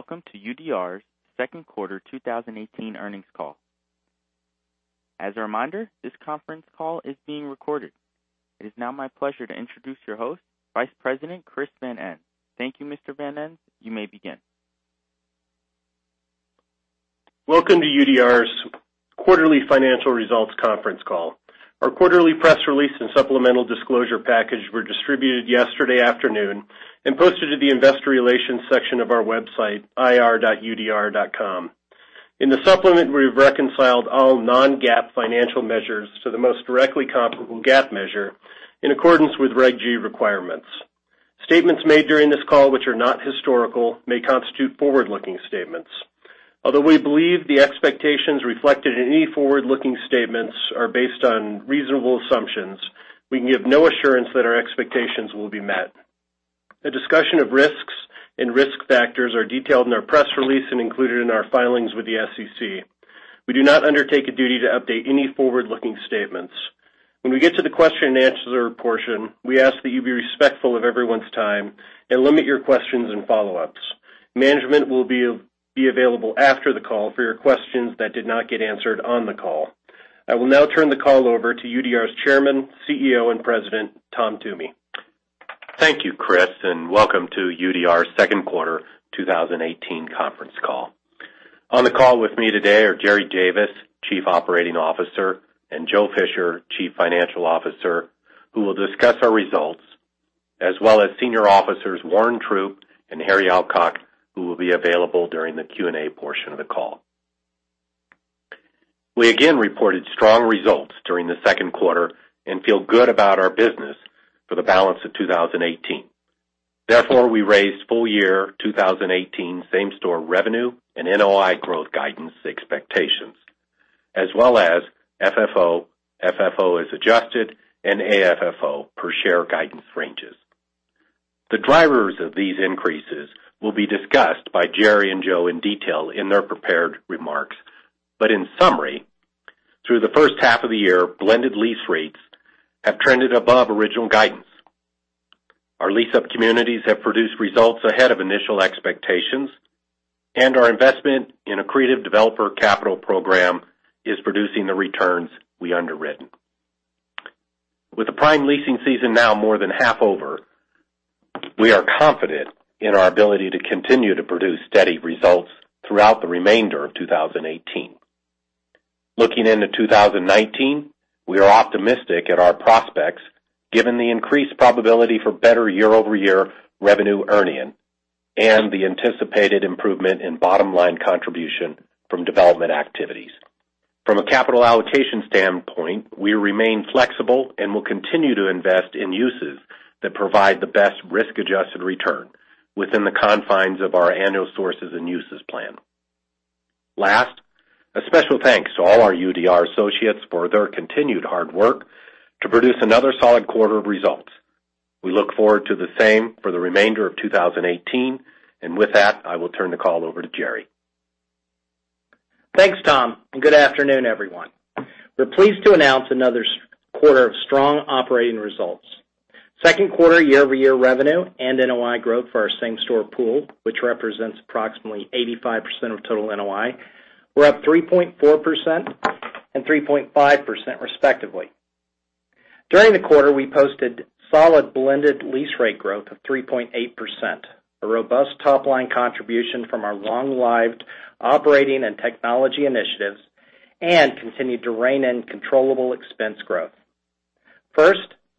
Good evening, and welcome to UDR's second quarter 2018 earnings call. As a reminder, this conference call is being recorded. It is now my pleasure to introduce your host, Vice President, Chris Van Ens. Thank you, Mr. Van Ens. You may begin. Welcome to UDR's quarterly financial results conference call. Our quarterly press release and supplemental disclosure package were distributed yesterday afternoon and posted to the investor relations section of our website, ir.udr.com. In the supplement, we've reconciled all non-GAAP financial measures to the most directly comparable GAAP measure in accordance with Reg G requirements. Statements made during this call, which are not historical, may constitute forward-looking statements. Although we believe the expectations reflected in any forward-looking statements are based on reasonable assumptions, we can give no assurance that our expectations will be met. A discussion of risks and risk factors are detailed in our press release and included in our filings with the SEC. We do not undertake a duty to update any forward-looking statements. When we get to the question and answer portion, we ask that you be respectful of everyone's time and limit your questions and follow-ups. Management will be available after the call for your questions that did not get answered on the call. I will now turn the call over to UDR's Chairman, CEO, and President, Tom Toomey. Thank you, Chris, and welcome to UDR's second quarter 2018 conference call. On the call with me today are Jerry Davis, Chief Operating Officer, and Joe Fisher, Chief Financial Officer, who will discuss our results, as well as Senior Officers Warren Troupe and Harry Alcock, who will be available during the Q&A portion of the call. We again reported strong results during the second quarter and feel good about our business for the balance of 2018. Therefore, we raised full year 2018 same-store revenue and NOI growth guidance expectations, as well as FFO as Adjusted, and AFFO per share guidance ranges. The drivers of these increases will be discussed by Jerry and Joe in detail in their prepared remarks. In summary, through the first half of the year, blended lease rates have trended above original guidance. Our lease-up communities have produced results ahead of initial expectations, and our investment in a creative developer capital program is producing the returns we underwritten. With the prime leasing season now more than half over, we are confident in our ability to continue to produce steady results throughout the remainder of 2018. Looking into 2019, we are optimistic at our prospects given the increased probability for better year-over-year revenue earning and the anticipated improvement in bottom-line contribution from development activities. From a capital allocation standpoint, we remain flexible and will continue to invest in uses that provide the best risk-adjusted return within the confines of our annual sources and uses plan. Last, a special thanks to all our UDR associates for their continued hard work to produce another solid quarter of results. We look forward to the same for the remainder of 2018. With that, I will turn the call over to Jerry. Thanks, Tom. Good afternoon, everyone. We're pleased to announce another quarter of strong operating results. Second quarter year-over-year revenue and NOI growth for our same-store pool, which represents approximately 85% of total NOI, were up 3.4% and 3.5% respectively. During the quarter, we posted solid blended lease rate growth of 3.8%, a robust top-line contribution from our long-lived operating and technology initiatives, and continued to rein in controllable expense growth.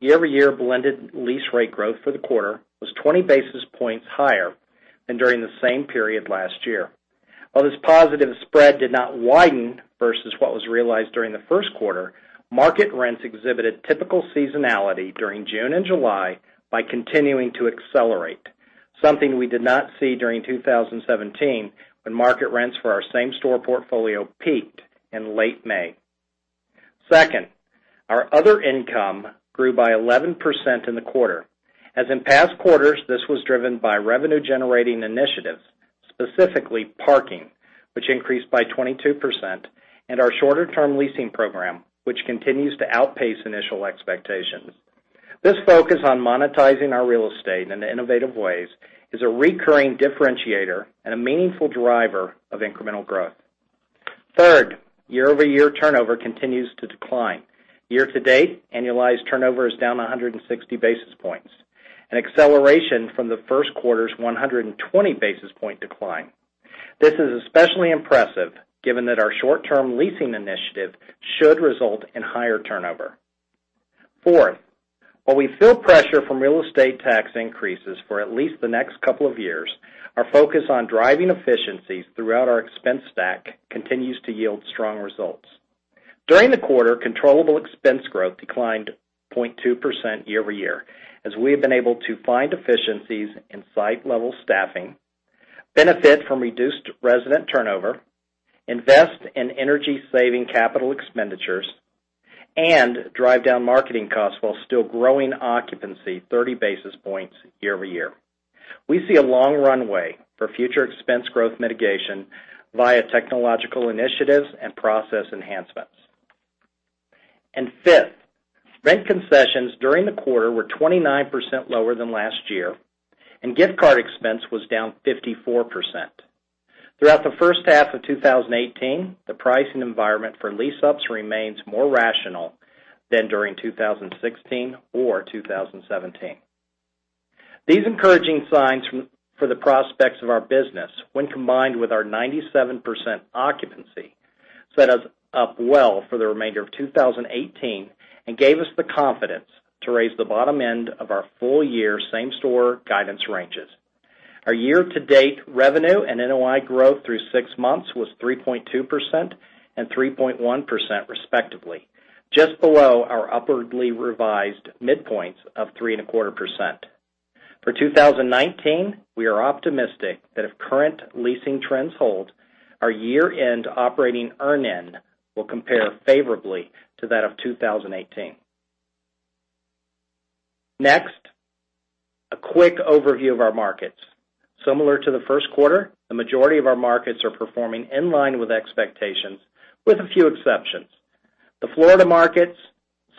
First, year-over-year blended lease rate growth for the quarter was 20 basis points higher than during the same period last year. While this positive spread did not widen versus what was realized during the first quarter, market rents exhibited typical seasonality during June and July by continuing to accelerate, something we did not see during 2017 when market rents for our same-store portfolio peaked in late May. Second, our other income grew by 11% in the quarter. As in past quarters, this was driven by revenue-generating initiatives, specifically parking, which increased by 22%, and our shorter-term leasing program, which continues to outpace initial expectations. This focus on monetizing our real estate in innovative ways is a recurring differentiator and a meaningful driver of incremental growth. Third, year-over-year turnover continues to decline. Year-to-date, annualized turnover is down 160 basis points, an acceleration from the first quarter's 120 basis point decline. This is especially impressive given that our short-term leasing initiative should result in higher turnover. Fourth, while we feel pressure from real estate tax increases for at least the next couple of years, our focus on driving efficiencies throughout our expense stack continues to yield strong results. During the quarter, controllable expense growth declined 0.2% year-over-year as we have been able to find efficiencies in site-level staffing, benefit from reduced resident turnover, invest in energy-saving capital expenditures, and drive down marketing costs while still growing occupancy 30 basis points year-over-year. We see a long runway for future expense growth mitigation via technological initiatives and process enhancements. Fifth, rent concessions during the quarter were 29% lower than last year, and gift card expense was down 54%. Throughout the first half of 2018, the pricing environment for lease-ups remains more rational than during 2016 or 2017. These encouraging signs for the prospects of our business, when combined with our 97% occupancy, set us up well for the remainder of 2018 and gave us the confidence to raise the bottom end of our full year same-store guidance ranges. Our year-to-date revenue and NOI growth through six months was 3.2% and 3.1% respectively, just below our upwardly revised midpoints of 3.25%. For 2019, we are optimistic that if current leasing trends hold, our year-end operating earnings will compare favorably to that of 2018. Next, a quick overview of our markets. Similar to the first quarter, the majority of our markets are performing in line with expectations, with a few exceptions. The Florida markets,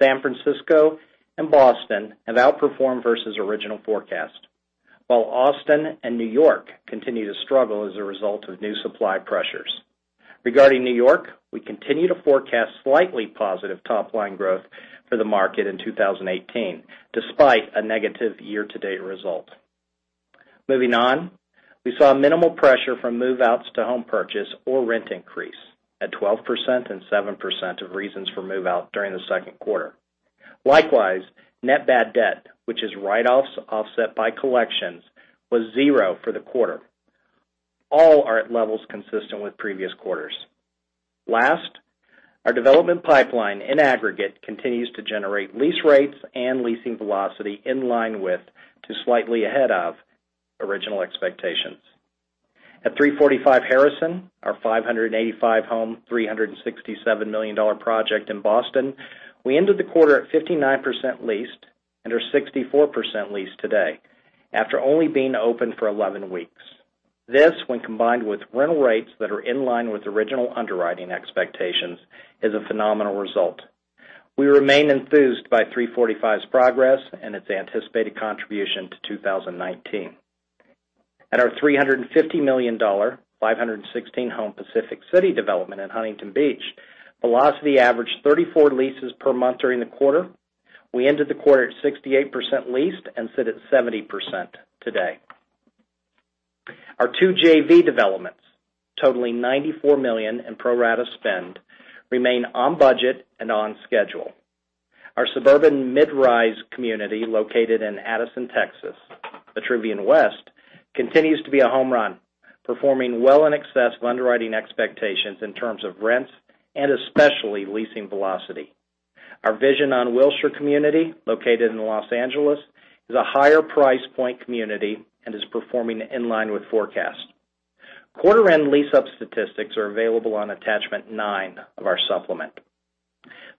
San Francisco, and Boston have outperformed versus original forecast, while Austin and New York continue to struggle as a result of new supply pressures. Regarding New York, we continue to forecast slightly positive top-line growth for the market in 2018, despite a negative year-to-date result. Moving on, we saw minimal pressure from move-outs to home purchase or rent increase at 12% and 7% of reasons for move-out during the second quarter. Likewise, net bad debt, which is write-offs offset by collections, was zero for the quarter. All are at levels consistent with previous quarters. Last, our development pipeline in aggregate continues to generate lease rates and leasing velocity in line with to slightly ahead of original expectations. At 345 Harrison, our 585-home, $367 million project in Boston, we ended the quarter at 59% leased and are 64% leased today after only being open for 11 weeks. This, when combined with rental rates that are in line with original underwriting expectations, is a phenomenal result. We remain enthused by 345's progress and its anticipated contribution to 2019. At our $350 million, 516-home Pacific City development in Huntington Beach, velocity averaged 34 leases per month during the quarter. We ended the quarter at 68% leased and sit at 70% today. Our two JV developments, totaling $94 million in pro rata spend, remain on budget and on schedule. Our suburban mid-rise community located in Addison, Texas, Vitruvian West, continues to be a home run, performing well in excess of underwriting expectations in terms of rents and especially leasing velocity. Our Vision on Wilshire community, located in Los Angeles, is a higher price point community and is performing in line with forecast. Quarter-end lease-up statistics are available on attachment nine of our supplement.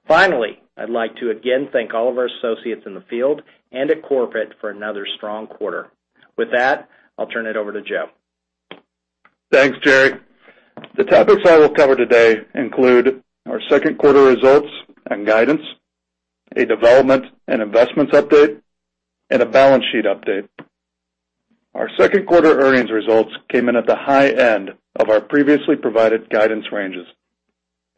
Finally, I'd like to again thank all of our associates in the field and at corporate for another strong quarter. With that, I'll turn it over to Joe. Thanks, Jerry Davis. The topics I will cover today include our second quarter results and guidance, a development and investments update, and a balance sheet update. Our second quarter earnings results came in at the high end of our previously provided guidance ranges.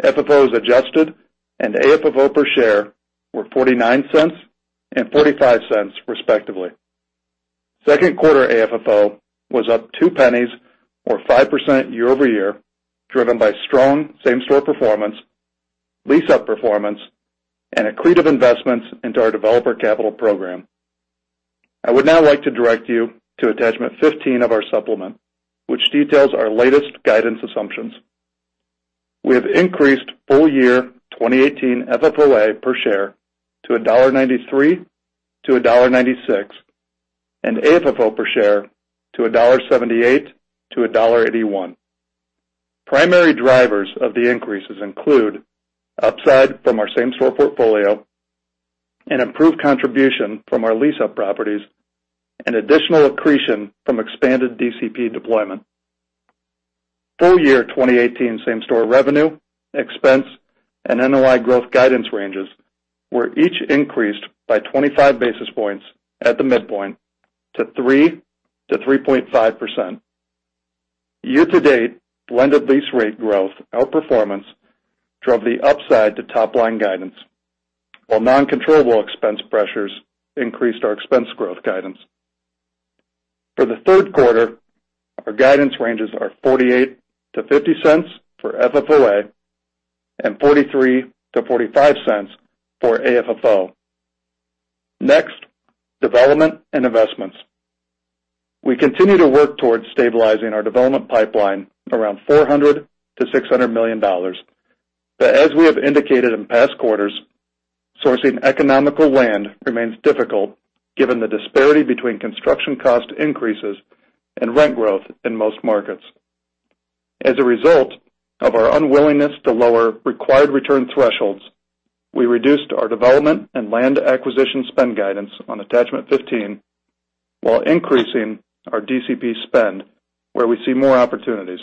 FFO as Adjusted and AFFO per share were $0.49 and $0.45 respectively. Second quarter AFFO was up $0.02 or 5% year-over-year, driven by strong same-store performance, lease-up performance, and accretive investments into our developer capital program. I would now like to direct you to attachment 15 of our supplement, which details our latest guidance assumptions. We have increased full year 2018 FFO as Adjusted per share to $1.93-$1.96, and AFFO per share to $1.78-$1.81. Primary drivers of the increases include upside from our same-store portfolio, an improved contribution from our lease-up properties, and additional accretion from expanded DCP deployment. Full year 2018 same-store revenue, expense, and NOI growth guidance ranges were each increased by 25 basis points at the midpoint to 3%-3.5%. Year-to-date, blended lease rate growth outperformance drove the upside to top-line guidance, while non-controllable expense pressures increased our expense growth guidance. For the third quarter, our guidance ranges are $0.48-$0.50 for FFO as Adjusted and $0.43-$0.45 for AFFO. Next, development and investments. We continue to work towards stabilizing our development pipeline around $400 million-$600 million. As we have indicated in past quarters, sourcing economical land remains difficult given the disparity between construction cost increases and rent growth in most markets. As a result of our unwillingness to lower required return thresholds, we reduced our development and land acquisition spend guidance on attachment 15 while increasing our DCP spend where we see more opportunities.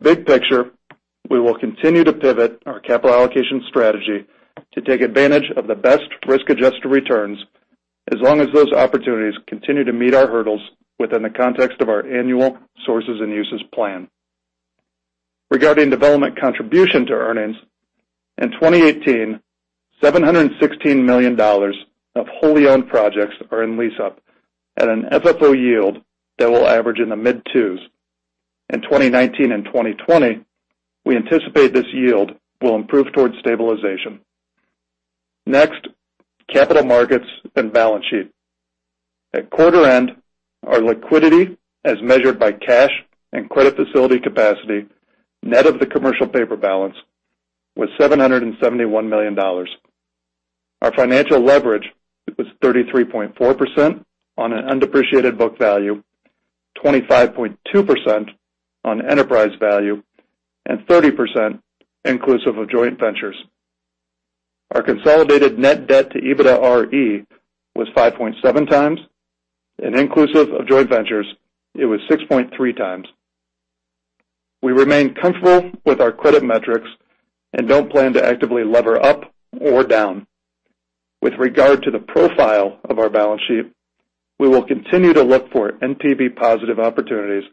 Big picture, we will continue to pivot our capital allocation strategy to take advantage of the best risk-adjusted returns, as long as those opportunities continue to meet our hurdles within the context of our annual sources and uses plan. Regarding development contribution to earnings, in 2018, $716 million of wholly owned projects are in lease-up at an FFO yield that will average in the mid 2s. In 2019 and 2020, we anticipate this yield will improve towards stabilization. Next, capital markets and balance sheet. At quarter end, our liquidity as measured by cash and credit facility capacity, net of the commercial paper balance, was $771 million. Our financial leverage was 33.4% on an undepreciated book value, 25.2% on enterprise value, and 30% inclusive of joint ventures. Our consolidated net debt to EBITDARE was 5.7 times, and inclusive of joint ventures, it was 6.3 times. We remain comfortable with our credit metrics and don't plan to actively lever up or down. With regard to the profile of our balance sheet, we will continue to look for NPV-positive opportunities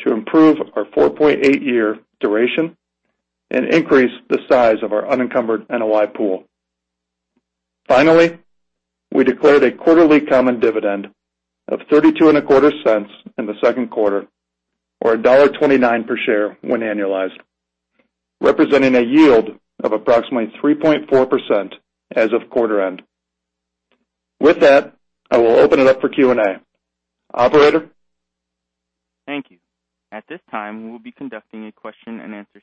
to improve our 4.8-year duration and increase the size of our unencumbered NOI pool. Finally, we declared a quarterly common dividend of $0.3225 in the second quarter, or $1.29 per share when annualized, representing a yield of approximately 3.4% as of quarter end. With that, I will open it up for Q&A. Operator? Thank you. At this time, we will be conducting a question-and-answer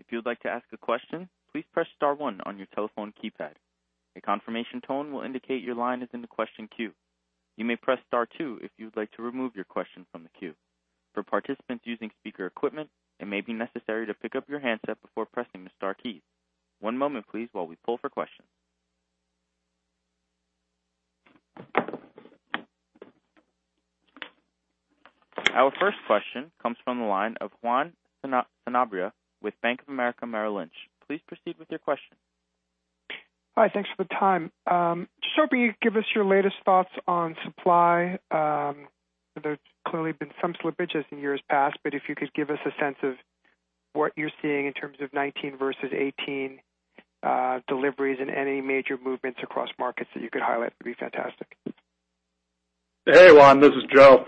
session. If you would like to ask a question, please press star one on your telephone keypad. A confirmation tone will indicate your line is in the question queue. You may press star two if you would like to remove your question from the queue. For participants using speaker equipment, it may be necessary to pick up your handset before pressing the star key. One moment, please, while we pull for questions. Our first question comes from the line of Juan Sanabria with Bank of America Merrill Lynch. Please proceed with your question. Hi, thanks for the time. Jerry, give us your latest thoughts on supply. There's clearly been some slippages in years past, but if you could give us a sense of what you're seeing in terms of 2019 versus 2018 deliveries and any major movements across markets that you could highlight, that'd be fantastic. Hey, Juan. This is Joe.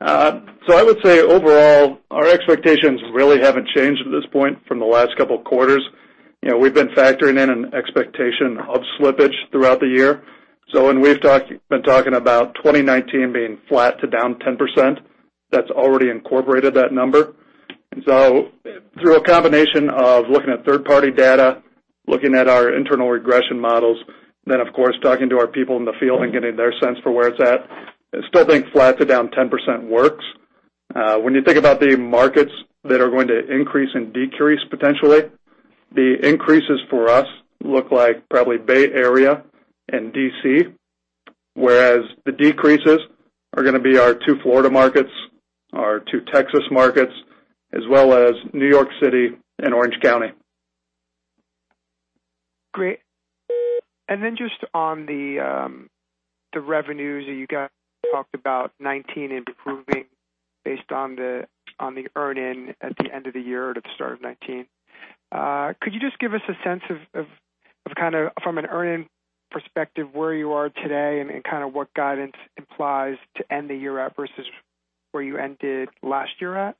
I would say overall, our expectations really haven't changed at this point from the last couple of quarters. We've been factoring in an expectation of slippage throughout the year. When we've been talking about 2019 being flat to down 10%, that's already incorporated that number. Through a combination of looking at third-party data, looking at our internal regression models, then, of course, talking to our people in the field and getting their sense for where it's at, I still think flat to down 10% works. When you think about the markets that are going to increase and decrease potentially, the increases for us look like probably Bay Area and D.C., whereas the decreases are going to be our two Florida markets, our two Texas markets, as well as New York City and Orange County. Great. Just on the revenues that you guys talked about 2019 improving based on the earn-in at the end of the year to the start of 2019. Could you just give us a sense of from an earn-in perspective, where you are today and what guidance implies to end the year at versus where you ended last year at?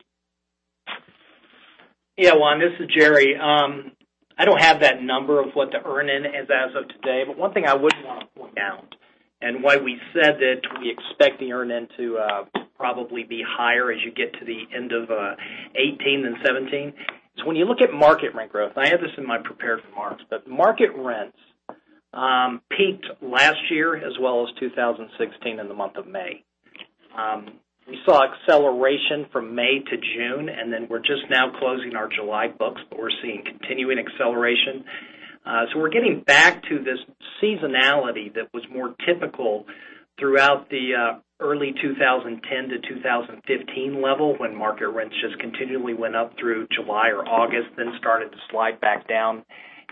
Juan, this is Jerry. I don't have that number of what the earn-in is as of today. One thing I would want to point out and why we said that we expect the earn-in to probably be higher as you get to the end of 2018 than 2017, is when you look at market rent growth, I have this in my prepared remarks, market rents peaked last year as well as 2016 in the month of May. We saw acceleration from May to June. We're just now closing our July books. We're seeing continuing acceleration. We're getting back to this seasonality that was more typical throughout the early 2010 to 2015 level when market rents just continually went up through July or August, then started to slide back down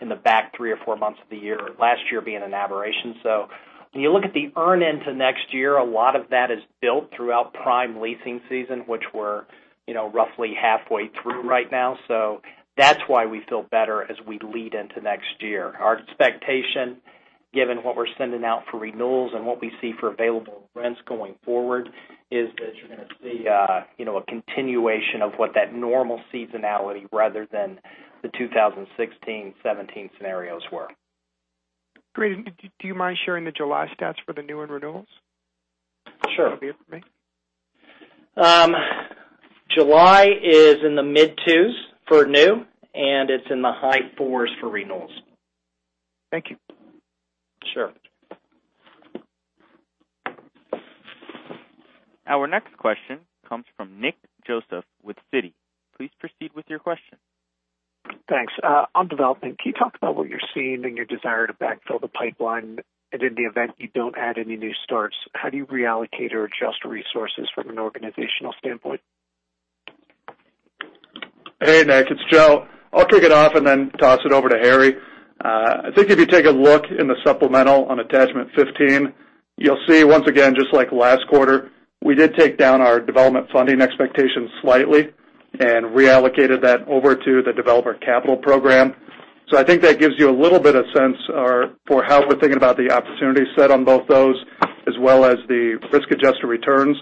in the back three or four months of the year, last year being an aberration. When you look at the earn-in to next year, a lot of that is built throughout prime leasing season, which we're roughly halfway through right now. That's why we feel better as we lead into next year. Our expectation, given what we're sending out for renewals and what we see for available rents going forward, is that you're going to see a continuation of what that normal seasonality rather than the 2016, 2017 scenarios were. Great. Do you mind sharing the July stats for the new and renewals? Sure. That'd be great. July is in the mid-2s for new, and it's in the high 4s for renewals. Thank you. Sure. Our next question comes from Nick Joseph with Citi. Please proceed with your question. Thanks. On development, can you talk about what you're seeing in your desire to backfill the pipeline? In the event you don't add any new starts, how do you reallocate or adjust resources from an organizational standpoint? Nick, it's Joe. I'll kick it off and then toss it over to Harry. I think if you take a look in the supplemental on attachment 15, you'll see once again, just like last quarter, we did take down our development funding expectations slightly and reallocated that over to the developer capital program. I think that gives you a little bit of sense for how we're thinking about the opportunity set on both those, as well as the risk-adjusted returns.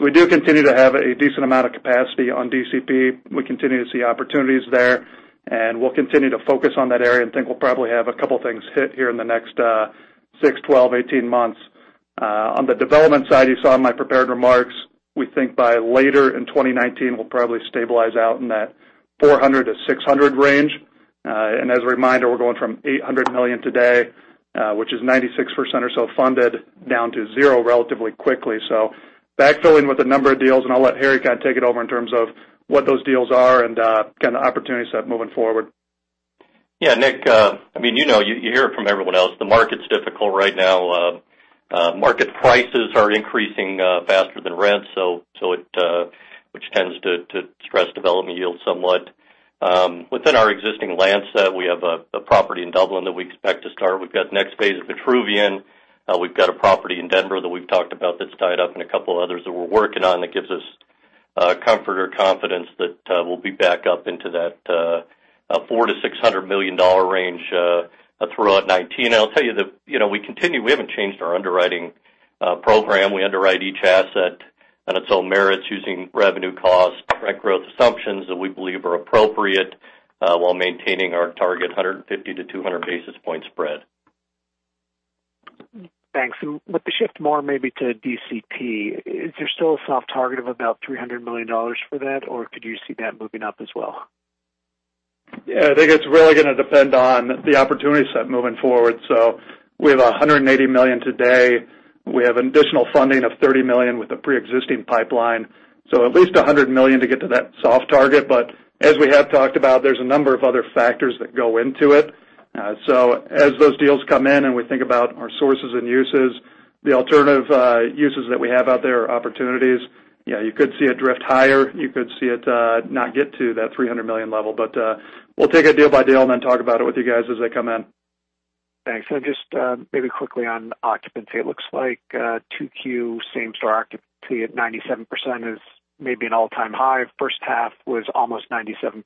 We do continue to have a decent amount of capacity on DCP. We continue to see opportunities there, and we'll continue to focus on that area and think we'll probably have a couple of things hit here in the next 6, 12, 18 months. On the development side, you saw in my prepared remarks, we think by later in 2019, we'll probably stabilize out in that $400 million-$600 million range. As a reminder, we're going from $800 million today, which is 96% or so funded, down to zero relatively quickly. Backfilling with a number of deals, and I'll let Harry take it over in terms of what those deals are and the opportunity set moving forward. Yeah, Nick, you hear it from everyone else. The market's difficult right now. Market prices are increasing faster than rent, which tends to stress development yields somewhat. Within our existing land set, we have a property in Dublin that we expect to start. We've got the next phase of Vitruvian. We've got a property in Denver that we've talked about that's tied up, and a couple of others that we're working on that gives us comfort or confidence that we'll be back up into that $400 million-$600 million range throughout 2019. I'll tell you that we haven't changed our underwriting program. We underwrite each asset on its own merits using revenue costs, rent growth assumptions that we believe are appropriate, while maintaining our target 150-200 basis point spread. Thanks. With the shift more maybe to DCP, is there still a soft target of about $300 million for that, or could you see that moving up as well? I think it's really going to depend on the opportunity set moving forward. We have $180 million today. We have additional funding of $30 million with the preexisting pipeline, so at least $100 million to get to that soft target. As we have talked about, there's a number of other factors that go into it. As those deals come in and we think about our sources and uses, the alternative uses that we have out there are opportunities. You could see it drift higher. You could see it not get to that $300 million level. We'll take it deal by deal and then talk about it with you guys as they come in. Thanks. Just maybe quickly on occupancy, it looks like 2Q same-store occupancy at 97% is maybe an all-time high. First half was almost 97%,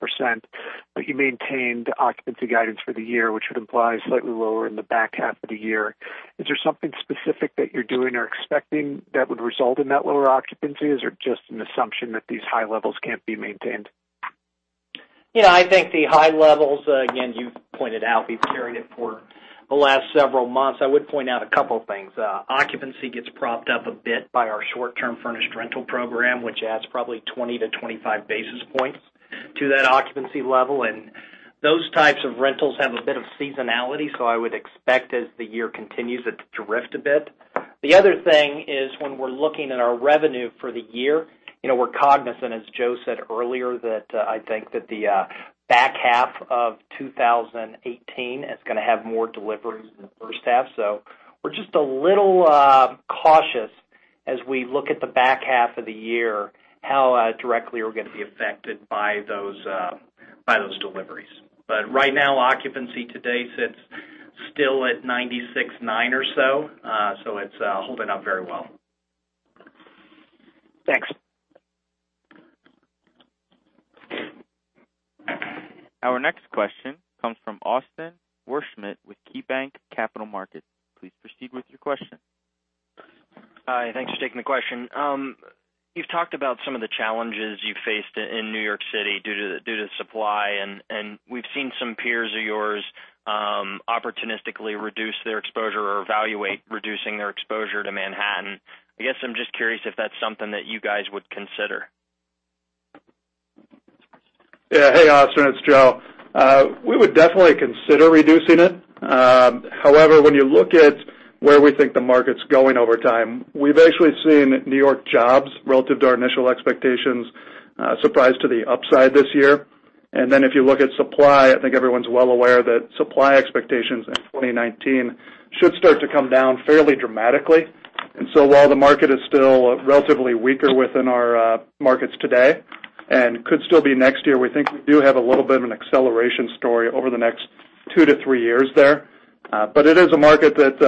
you maintained occupancy guidance for the year, which would imply slightly lower in the back half of the year. Is there something specific that you're doing or expecting that would result in that lower occupancies, or just an assumption that these high levels can't be maintained? I think the high levels, again, you've pointed out, we've carried it for the last several months. I would point out a couple of things. Occupancy gets propped up a bit by our short-term furnished rental program, which adds probably 20 to 25 basis points to that occupancy level, and those types of rentals have a bit of seasonality, so I would expect as the year continues, it to drift a bit. The other thing is when we're looking at our revenue for the year, we're cognizant, as Joe said earlier, that I think that the back half of 2018 is going to have more deliveries than the first half. We're just a little cautious as we look at the back half of the year, how directly we're going to be affected by those deliveries. Right now, occupancy to date sits still at 96.9 or so. It's holding up very well. Thanks. Our next question comes from Austin Wurschmidt with KeyBanc Capital Markets. Please proceed with your question. Hi, thanks for taking the question. We've seen some peers of yours opportunistically reduce their exposure or evaluate reducing their exposure to Manhattan. I guess I'm just curious if that's something that you guys would consider. Yeah. Hey, Austin, it's Joe. We would definitely consider reducing it. However, when you look at where we think the market's going over time, we've actually seen New York jobs relative to our initial expectations surprise to the upside this year. If you look at supply, I think everyone's well aware that supply expectations in 2019 should start to come down fairly dramatically. While the market is still relatively weaker within our markets today and could still be next year, we think we do have a little bit of an acceleration story over the next 2 to 3 years there. It is a market that,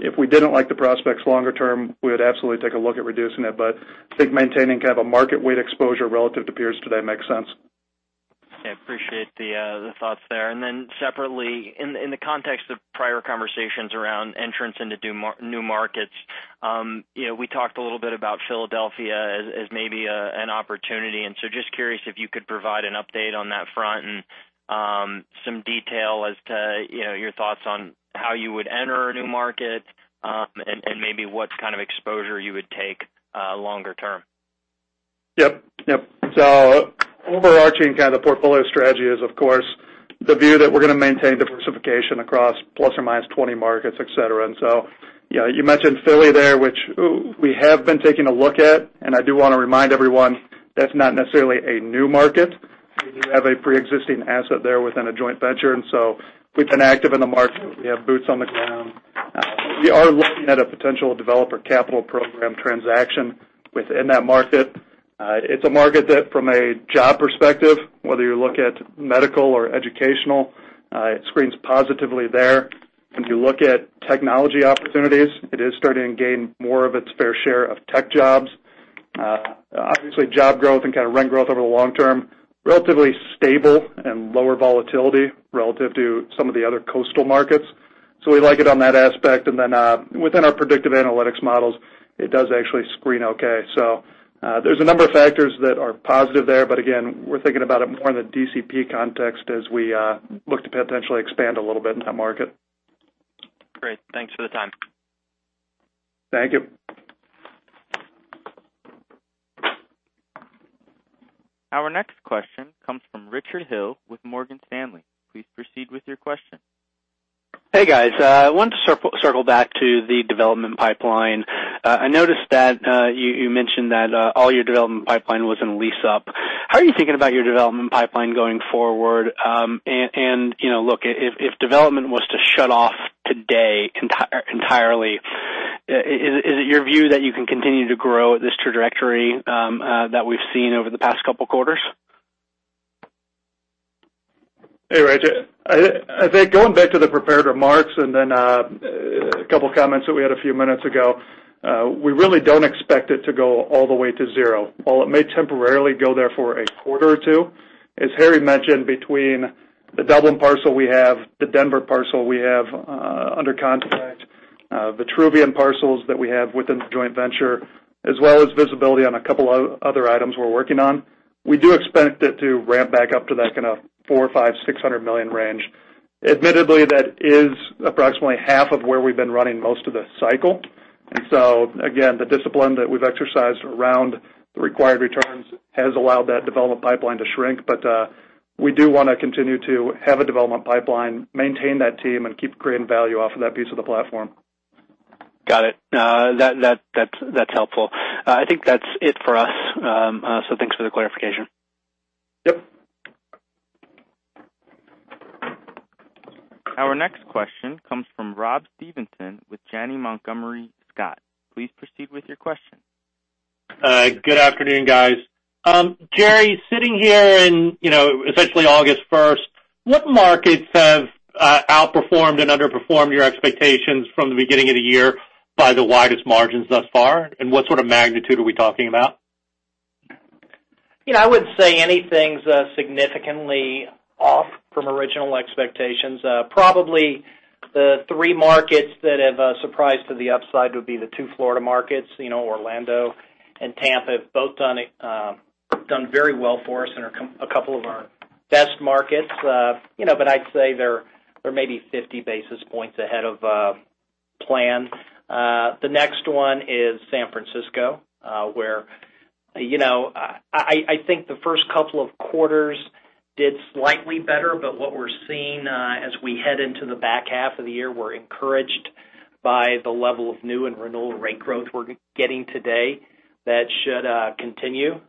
if we didn't like the prospects longer term, we would absolutely take a look at reducing it. I think maintaining kind of a market weight exposure relative to peers today makes sense. Yeah, appreciate the thoughts there. Separately, in the context of prior conversations around entrance into new markets, we talked a little bit about Philadelphia as maybe an opportunity, and so just curious if you could provide an update on that front and some detail as to your thoughts on how you would enter a new market, and maybe what kind of exposure you would take longer term. Yep. Overarching kind of portfolio strategy is, of course, the view that we're going to maintain diversification across ±20 markets, et cetera. You mentioned Philly there, which we have been taking a look at, and I do want to remind everyone that's not necessarily a new market. We do have a preexisting asset there within a joint venture. We've been active in the market. We have boots on the ground. We are looking at a potential developer capital program transaction within that market. It's a market that from a job perspective, whether you look at medical or educational, it screens positively there. If you look at technology opportunities, it is starting to gain more of its fair share of tech jobs. Obviously, job growth and kind of rent growth over the long term, relatively stable and lower volatility relative to some of the other coastal markets. We like it on that aspect, within our predictive analytics models, it does actually screen okay. There's a number of factors that are positive there. Again, we're thinking about it more in the DCP context as we look to potentially expand a little bit in that market. Great. Thanks for the time. Thank you. Our next question comes from Richard Hill with Morgan Stanley. Please proceed with your question. Hey, guys. I want to circle back to the development pipeline. I noticed that you mentioned that all your development pipeline was in lease-up. How are you thinking about your development pipeline going forward? Look, if development was to shut off today entirely, is it your view that you can continue to grow at this trajectory that we've seen over the past couple of quarters? Hey, Rich. I think going back to the prepared remarks and a couple of comments that we had a few minutes ago, we really don't expect it to go all the way to zero. While it may temporarily go there for a quarter or two, as Harry mentioned, between the Dublin parcel we have, the Denver parcel we have under contract, the Vitruvian parcels that we have within the joint venture, as well as visibility on a couple other items we're working on, we do expect it to ramp back up to that kind of $400 million, $500 million, $600 million range. Admittedly, that is approximately half of where we've been running most of the cycle. Again, the discipline that we've exercised around the required returns has allowed that development pipeline to shrink. We do want to continue to have a development pipeline, maintain that team, and keep creating value off of that piece of the platform. Got it. That's helpful. I think that's it for us, so thanks for the clarification. Yep. Our next question comes from Rob Stevenson with Janney Montgomery Scott. Please proceed with your question. Good afternoon, guys. Gerry, sitting here in essentially August 1st, what markets have outperformed and underperformed your expectations from the beginning of the year by the widest margins thus far? What sort of magnitude are we talking about? I wouldn't say anything's significantly off from original expectations. Probably the three markets that have surprised to the upside would be the two Florida markets. Orlando and Tampa have both done very well for us and are a couple of our best markets. I'd say they're maybe 50 basis points ahead of plan. The next one is San Francisco, where I think the first couple of quarters did slightly better, but what we're seeing as we head into the back half of the year, we're encouraged by the level of new and renewal rate growth we're getting today. That should continue.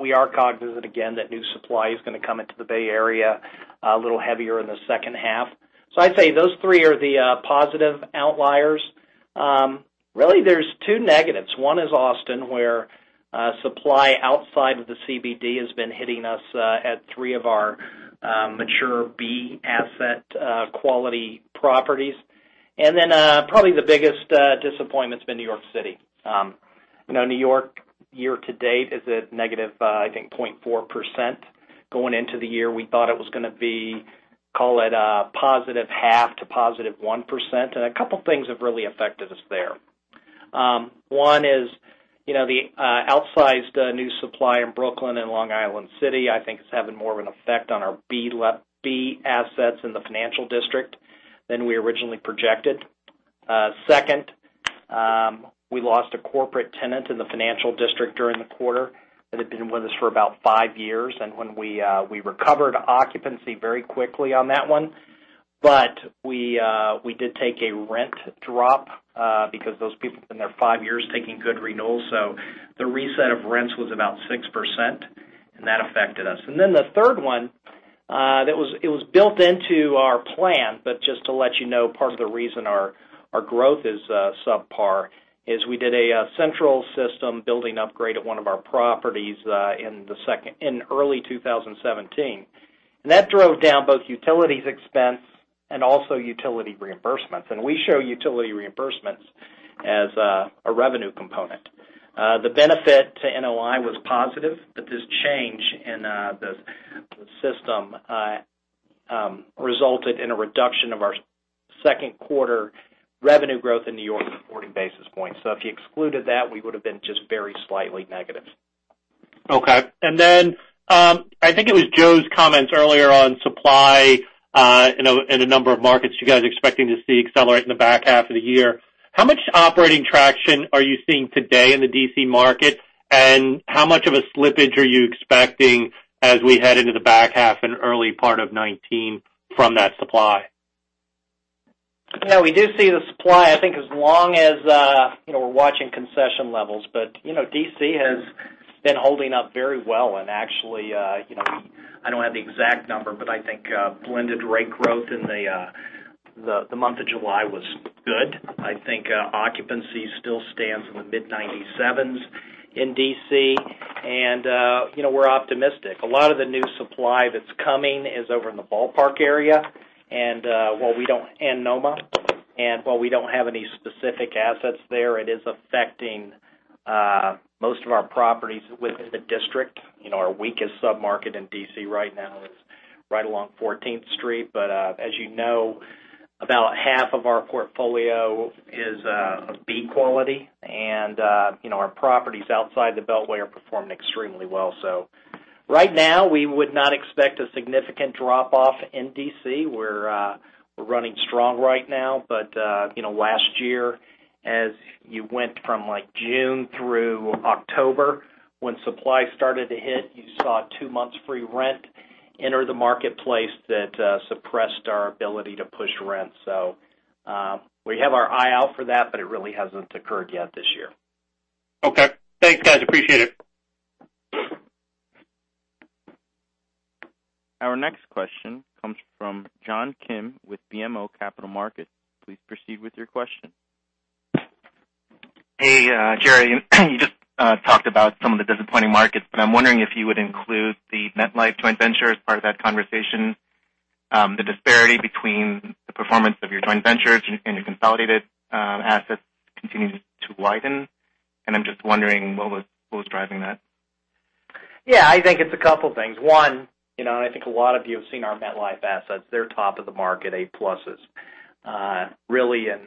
We are cognizant, again, that new supply is going to come into the Bay Area a little heavier in the second half. I'd say those three are the positive outliers. Really, there's two negatives. One is Austin, where supply outside of the CBD has been hitting us at three of our mature B asset quality properties. Probably the biggest disappointment's been New York City. New York year-to-date is at negative 0.4%. Going into the year, we thought it was going to be, call it, a positive 0.5% to positive 1%, a couple of things have really affected us there. One is the outsized new supply in Brooklyn and Long Island City is having more of an effect on our B assets in the Financial District than we originally projected. Second, we lost a corporate tenant in the Financial District during the quarter that had been with us for about five years. We recovered occupancy very quickly on that one. We did take a rent drop because those people had been there five years taking good renewals. The reset of rents was about 6%, that affected us. The third one, it was built into our plan, but just to let you know, part of the reason our growth is subpar is we did a central system building upgrade at one of our properties in early 2017. That drove down both utilities expense and also utility reimbursements, we show utility reimbursements as a revenue component. The benefit to NOI was positive, but this change in the system resulted in a reduction of our second quarter revenue growth in New York of 40 basis points. If you excluded that, we would've been just very slightly negative. Okay. It was Joe Fisher's comments earlier on supply in a number of markets you guys are expecting to see accelerate in the back half of the year. How much operating traction are you seeing today in the D.C. market, how much of a slippage are you expecting as we head into the back half and early part of 2019 from that supply? No, we do see the supply, as long as we're watching concession levels. D.C. has been holding up very well and actually, I don't have the exact number, but blended rate growth in the month of July was good. Occupancy still stands in the mid-97s in D.C., we're optimistic. A lot of the new supply that's coming is over in the Ballpark area and NoMa. While we don't have any specific assets there, it is affecting most of our properties within the district. Our weakest sub-market in D.C. right now is right along 14th Street. As you know, about half of our portfolio is of B quality, our properties outside the Beltway are performing extremely well. Right now, we would not expect a significant drop-off in D.C. We're running strong right now. Last year, as you went from June through October, when supply started to hit, you saw two months free rent enter the marketplace that suppressed our ability to push rent. We have our eye out for that, but it really hasn't occurred yet this year. Okay. Thanks, guys, appreciate it. Our next question comes from John Kim with BMO Capital Markets. Please proceed with your question. Hey, Jerry. You just talked about some of the disappointing markets, I'm wondering if you would include the MetLife joint venture as part of that conversation. The disparity between the performance of your joint ventures and your consolidated assets continues to widen, and I'm just wondering what was driving that? I think it's a couple things. One, I think a lot of you have seen our MetLife assets. They're top of the market, A-pluses, really in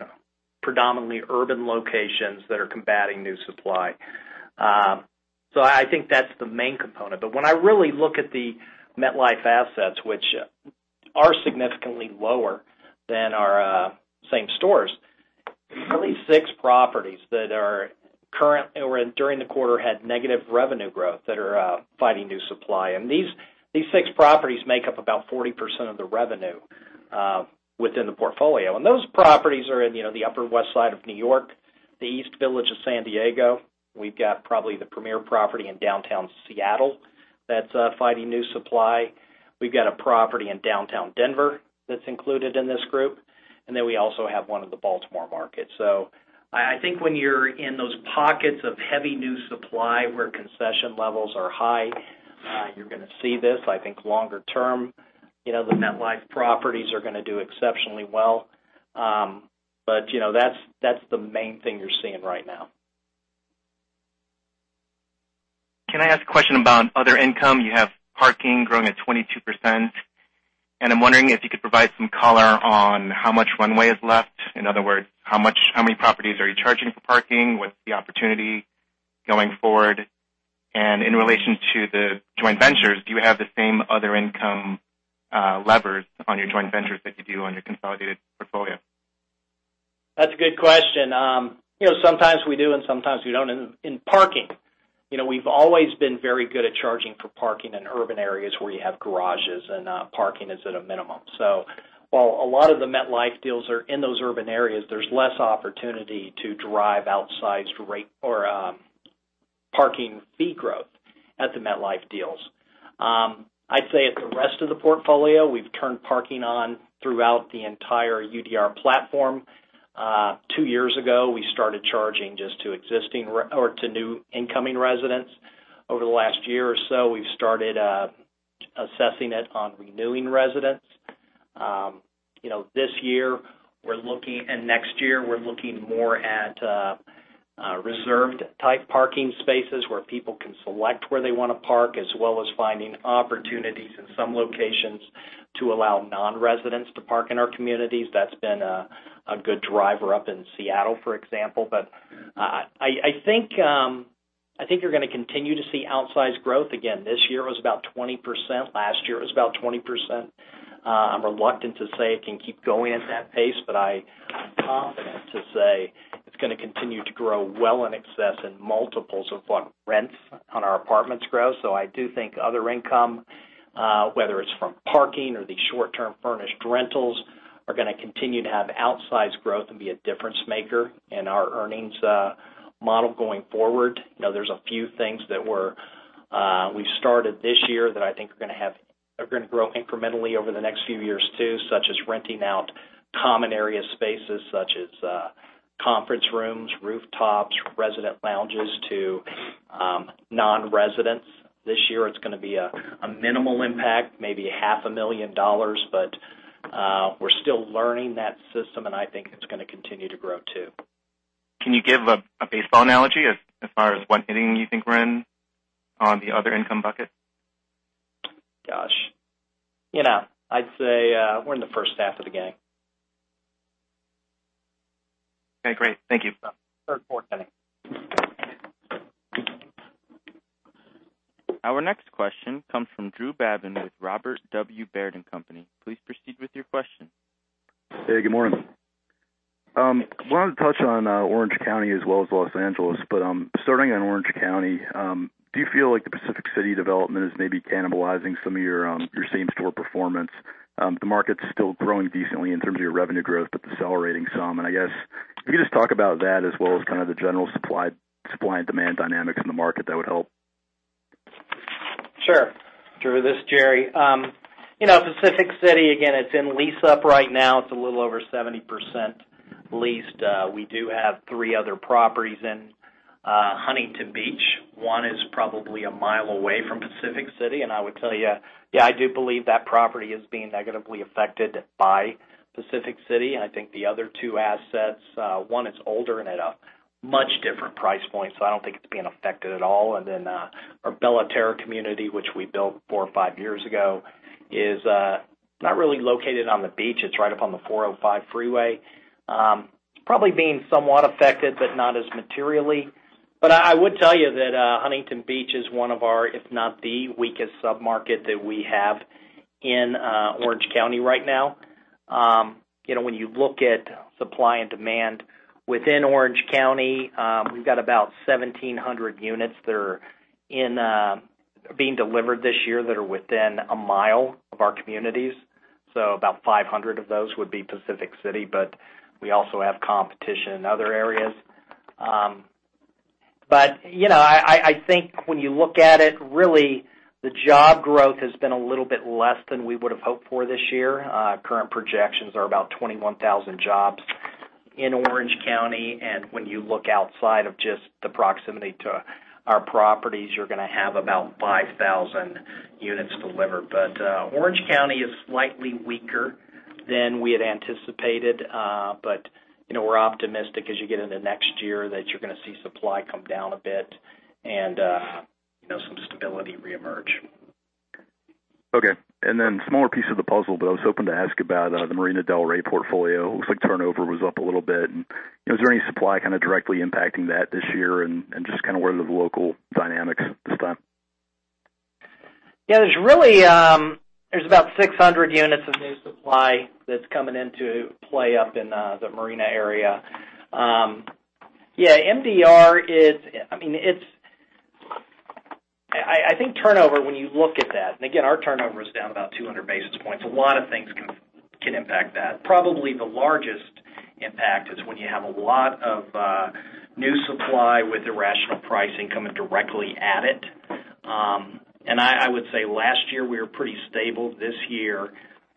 predominantly urban locations that are combating new supply. I think that's the main component. When I really look at the MetLife assets, which are significantly lower than our same stores, there's only six properties that during the quarter, had negative revenue growth that are fighting new supply. These six properties make up about 40% of the revenue within the portfolio. Those properties are in the Upper West Side of New York, the East Village of San Diego. We've got probably the premier property in downtown Seattle that's fighting new supply. We've got a property in downtown Denver that's included in this group, and then we also have one in the Baltimore market. I think when you're in those pockets of heavy new supply where concession levels are high, you're going to see this. I think longer term, the MetLife properties are going to do exceptionally well. That's the main thing you're seeing right now. Can I ask a question about other income? You have parking growing at 22%, and I'm wondering if you could provide some color on how much runway is left. In other words, how many properties are you charging for parking? What's the opportunity going forward? In relation to the joint ventures, do you have the same other income levers on your joint ventures that you do on your consolidated portfolio? That's a good question. Sometimes we do, and sometimes we don't. In parking, we've always been very good at charging for parking in urban areas where you have garages and parking is at a minimum. While a lot of the MetLife deals are in those urban areas, there's less opportunity to drive outsized rate or parking fee growth at the MetLife deals. I'd say at the rest of the portfolio, we've turned parking on throughout the entire UDR platform. Two years ago, we started charging just to new incoming residents. Over the last year or so, we've started assessing it on renewing residents. This year and next year, we're looking more at reserved-type parking spaces where people can select where they want to park, as well as finding opportunities in some locations to allow non-residents to park in our communities. That's been a good driver up in Seattle, for example. I think you're going to continue to see outsized growth again. This year, it was about 20%. Last year, it was about 20%. I'm reluctant to say it can keep going at that pace, but I'm confident to say it's going to continue to grow well in excess in multiples of what rents on our apartments grow. I do think other income, whether it's from parking or the short-term furnished rentals, are going to continue to have outsized growth and be a difference-maker in our earnings model going forward. There's a few things that we've started this year that I think are going to grow incrementally over the next few years, too, such as renting out common area spaces, such as conference rooms, rooftops, resident lounges to non-residents. This year, it's going to be a minimal impact, maybe half a million dollars, we're still learning that system, and I think it's going to continue to grow, too. Can you give a baseball analogy as far as what inning you think we're in on the other income bucket? Gosh. I'd say we're in the first half of the game. Okay, great. Thank you. Third, fourth inning. Our next question comes from Drew Babin with Robert W. Baird & Co.. Please proceed with your question. Hey, good morning. I wanted to touch on Orange County as well as Los Angeles, but starting on Orange County, do you feel like the Pacific City development is maybe cannibalizing some of your same-store performance? The market's still growing decently in terms of your revenue growth, but decelerating some, and I guess if you could just talk about that as well as kind of the general supply and demand dynamics in the market, that would help. Sure. Drew, this is Jerry. Pacific City, again, it's in lease-up right now. It's a little over 70% leased. We do have 3 other properties in Huntington Beach. 1 is probably 1 mile away from Pacific City. I would tell you, yeah, I do believe that property is being negatively affected by Pacific City. I think the other 2 assets, 1 is older and at a much different price point, so I don't think it's being affected at all. Our Bella Terra community, which we built 4 or 5 years ago, is not really located on the beach. It's right up on the 405 freeway. It's probably being somewhat affected, but not as materially. I would tell you that Huntington Beach is 1 of our, if not the weakest sub-market that we have in Orange County right now. When you look at supply and demand within Orange County, we've got about 1,700 units that are being delivered this year that are within 1 mile of our communities. About 500 of those would be Pacific City, but we also have competition in other areas. I think when you look at it, really, the job growth has been a little bit less than we would've hoped for this year. Current projections are about 21,000 jobs in Orange County. When you look outside of just the proximity to our properties, you're going to have about 5,000 units delivered. Orange County is slightly weaker than we had anticipated. We're optimistic as you get into next year that you're going to see supply come down a bit and some stability reemerge. Okay. Smaller piece of the puzzle, I was hoping to ask about the Marina del Rey portfolio. It looks like turnover was up a little bit. Is there any supply kind of directly impacting that this year and just kind of where are the local dynamics this time? Yeah, there's about 600 units of new supply that's coming into play up in the Marina area. Yeah, MDR, I think turnover when you look at that. Again, our turnover is down about 200 basis points. A lot of things can impact that. Probably the largest impact is when you have a lot of new supply with irrational pricing coming directly at it. I would say last year we were pretty stable. This year,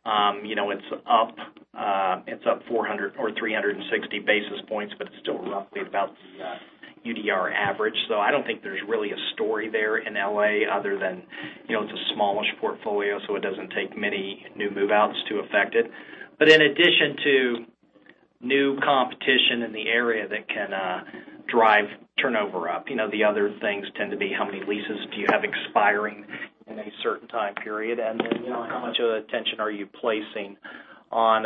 it's up 360 basis points, but it's still roughly about the UDR average. I don't think there's really a story there in L.A. other than it's a smallish portfolio, so it doesn't take many new move-outs to affect it. In addition to new competition in the area that can drive turnover up, the other things tend to be how many leases do you have expiring in a certain time period, then, how much attention are you placing on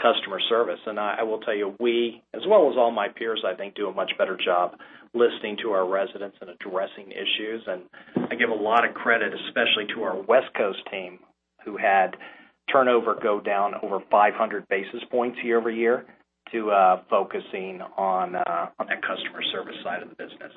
customer service? I will tell you, we, as well as all my peers, I think, do a much better job listening to our residents and addressing issues. I give a lot of credit, especially to our West Coast team, who had turnover go down over 500 basis points year-over-year to focusing on that customer service side of the business.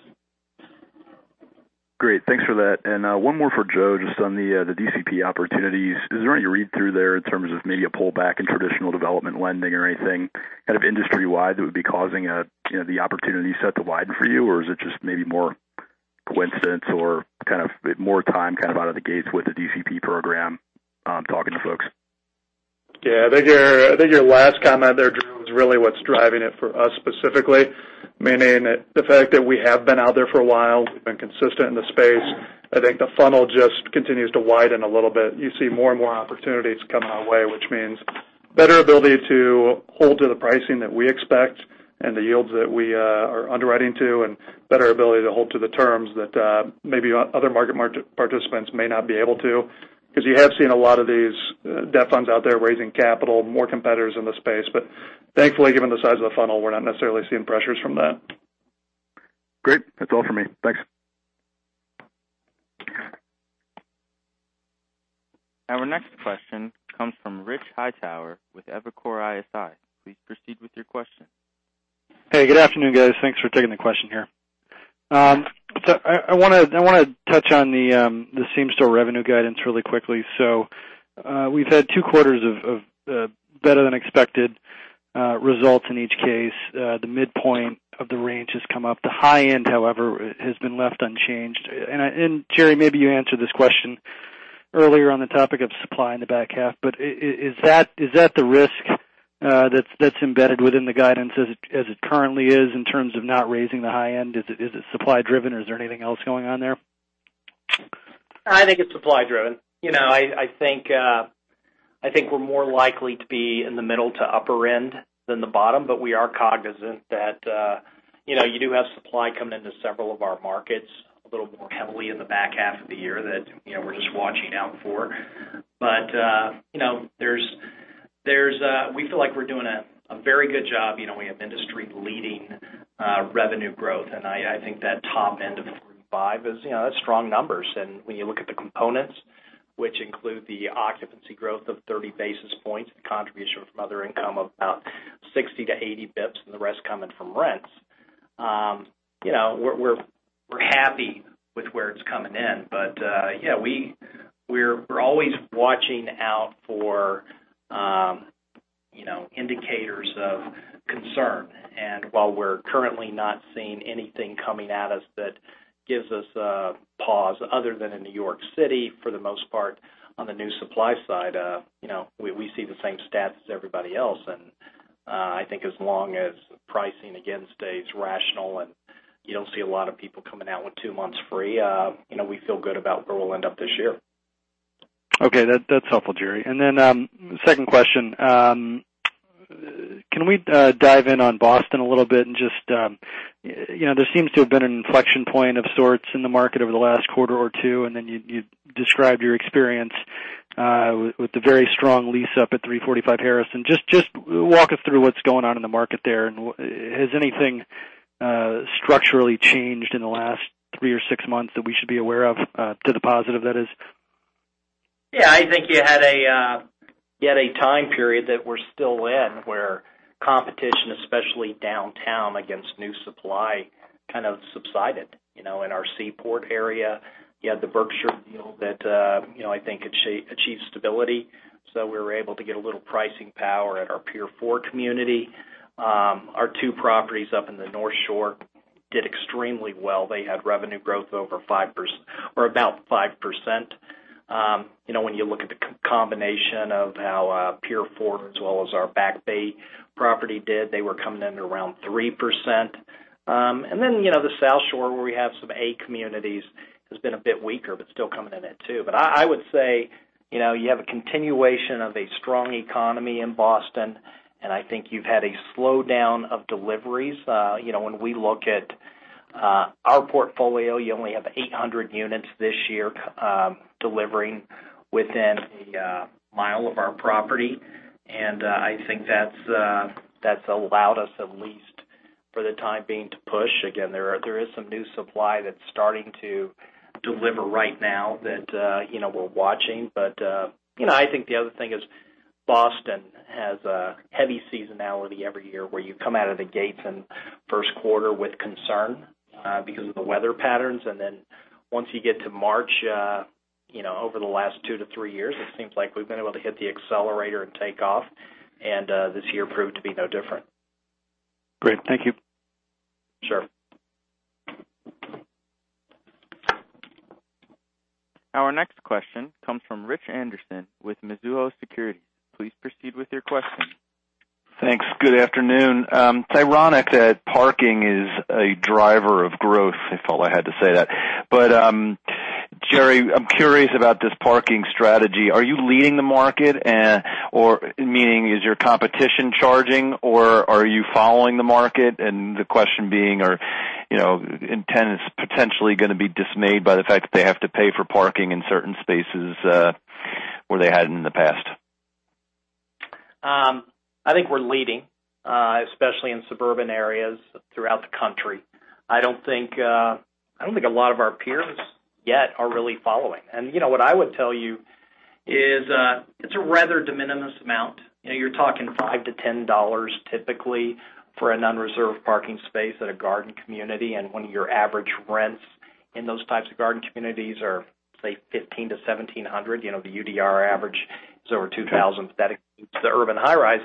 Great. Thanks for that. One more for Joe, just on the DCP opportunities. Is there any read-through there in terms of maybe a pullback in traditional development lending or anything kind of industry-wide that would be causing the opportunity set to widen for you? Or is it just maybe more coincidence or kind of more time kind of out of the gates with the DCP program talking to folks? I think your last comment there, Drew, is really what's driving it for us specifically, meaning the fact that we have been out there for a while, we've been consistent in the space. I think the funnel just continues to widen a little bit. You see more and more opportunities coming our way, which means better ability to hold to the pricing that we expect and the yields that we are underwriting to, and better ability to hold to the terms that maybe other market participants may not be able to. You have seen a lot of these debt funds out there raising capital, more competitors in the space. Thankfully, given the size of the funnel, we're not necessarily seeing pressures from that. Great. That's all for me. Thanks. Our next question comes from Richard Hightower with Evercore ISI. Please proceed with your question. Hey, good afternoon, guys. Thanks for taking the question here. I want to touch on the same-store revenue guidance really quickly. We've had two quarters of better-than-expected results in each case. The midpoint of the range has come up. The high end, however, has been left unchanged. Jerry, maybe you answered this question earlier on the topic of supply in the back half, but is that the risk that's embedded within the guidance as it currently is in terms of not raising the high end? Is it supply driven or is there anything else going on there? I think it's supply driven. I think we're more likely to be in the middle to upper end than the bottom, but we are cognizant that you do have supply coming into several of our markets a little more heavily in the back half of the year that we're just watching out for. We feel like we're doing a very good job. We have industry-leading revenue growth, and I think that top end of 35, that's strong numbers. When you look at the components, which include the occupancy growth of 30 basis points, the contribution from other income of about 60 to 80 basis points, and the rest coming from rents. We're happy with where it's coming in. We're always watching out for indicators of concern. While we're currently not seeing anything coming at us that gives us a pause, other than in New York City, for the most part, on the new supply side, we see the same stats as everybody else. I think as long as pricing, again, stays rational and you don't see a lot of people coming out with two months free, we feel good about where we'll end up this year. Okay. That's helpful, Jerry. Second question. Can we dive in on Boston a little bit? There seems to have been an inflection point of sorts in the market over the last quarter or two, and you described your experience with the very strong lease up at 345 Harrison. Just walk us through what's going on in the market there, and has anything structurally changed in the last three or six months that we should be aware of, to the positive, that is? I think you had a time period that we're still in, where competition, especially downtown against new supply, kind of subsided. In our Seaport area, you had the Berkshire Group deal that I think achieved stability. We were able to get a little pricing power at our Pier 4 community. Our two properties up in the North Shore did extremely well. They had revenue growth over 5%, or about 5%. When you look at the combination of how Pier 4, as well as our Back Bay property did, they were coming in around 3%. The South Shore, where we have some A communities, has been a bit weaker, but still coming in at two. I would say, you have a continuation of a strong economy in Boston, and I think you've had a slowdown of deliveries. When we look at our portfolio, you only have 800 units this year delivering within a mile of our property. I think that's allowed us, at least for the time being, to push. Again, there is some new supply that's starting to deliver right now that we're watching. I think the other thing is Boston has a heavy seasonality every year, where you come out of the gates in first quarter with concern because of the weather patterns. Once you get to March, over the last two to three years, it seems like we've been able to hit the accelerator and take off. This year proved to be no different. Great. Thank you. Sure. Our next question comes from Rich Anderson with Mizuho Securities. Please proceed with your question. Thanks. Good afternoon. It's ironic that parking is a driver of growth, if all I had to say that. Gerry, I'm curious about this parking strategy. Are you leading the market? Meaning, is your competition charging or are you following the market? The question being, are tenants potentially going to be dismayed by the fact that they have to pay for parking in certain spaces where they hadn't in the past? I think we're leading, especially in suburban areas throughout the country. I don't think a lot of our peers yet are really following. What I would tell you is it's a rather de minimis amount. You're talking $5-$10 typically for an unreserved parking space at a garden community. When your average rents in those types of garden communities are, say, $1,500-$1,700, the UDR average is over $2,000. That includes the urban high-rise.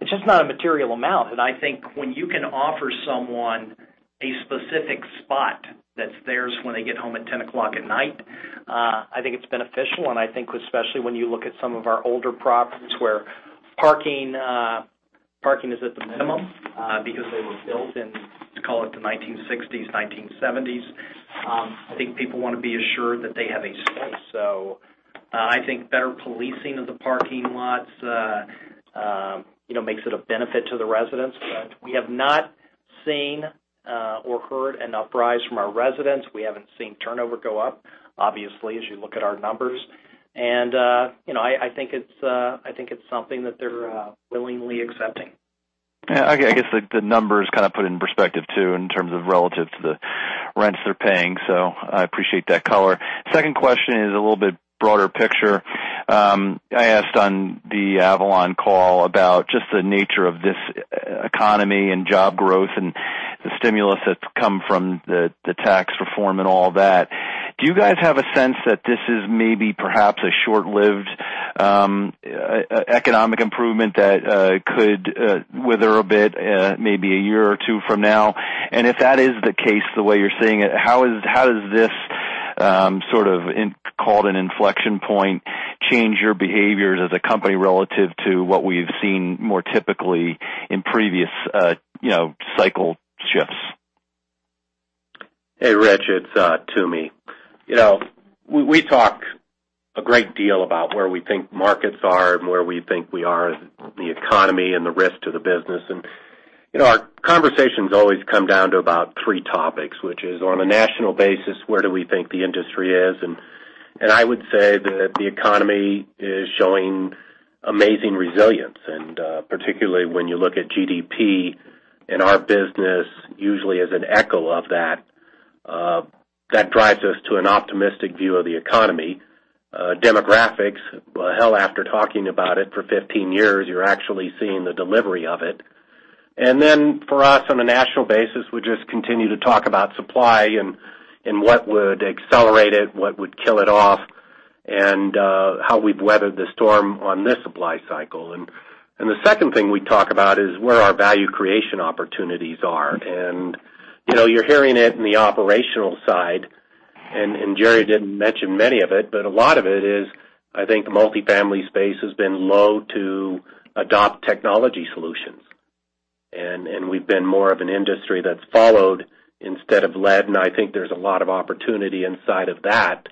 It's just not a material amount, I think when you can offer someone a specific spot that's theirs when they get home at 10:00 P.M., I think it's beneficial. I think especially when you look at some of our older properties where parking is at the minimum because they were built in, let's call it the 1960s, 1970s. I think people want to be assured that they have a space. I think better policing of the parking lots makes it a benefit to the residents. We have not seen or heard an uprise from our residents. We haven't seen turnover go up, obviously, as you look at our numbers. I think it's something that they're willingly accepting. Yeah, I guess the numbers kind of put it in perspective, too, in terms of relative to the rents they're paying. I appreciate that color. Second question is a little bit broader picture. I asked on the Avalon call about just the nature of this economy and job growth and the stimulus that's come from the tax reform and all that. Do you guys have a sense that this is maybe perhaps a short-lived economic improvement that could wither a bit maybe a year or two from now? If that is the case, the way you're seeing it, how does this sort of call it an inflection point change your behaviors as a company relative to what we've seen more typically in previous cycle shifts? Hey, Rich, it's Toomey. We talk a great deal about where we think markets are and where we think we are in the economy and the risk to the business. Our conversations always come down to about three topics, which is on a national basis, where do we think the industry is? I would say that the economy is showing amazing resilience. Particularly when you look at GDP, our business usually is an echo of that drives us to an optimistic view of the economy. Demographics, well, hell, after talking about it for 15 years, you're actually seeing the delivery of it. For us, on a national basis, we just continue to talk about supply and what would accelerate it, what would kill it off, and how we'd weather the storm on this supply cycle. The second thing we talk about is where our value creation opportunities are. You're hearing it in the operational side, Jerry didn't mention much of it, but a lot of it is, I think, the multifamily space has been low to adopt technology solutions. We've been more of an industry that's followed instead of led, I think there's a lot of opportunity inside of that